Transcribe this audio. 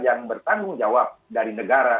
yang bertanggung jawab dari negara